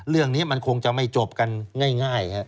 เรื่องนี้มันคงจะไม่จบกันง่าย